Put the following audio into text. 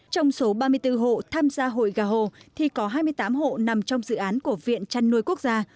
trong số ba mươi bốn hộ tham gia hội gà hồ thì có hai mươi tám hộ nằm trong dự án của viện chăn nuôi quốc gia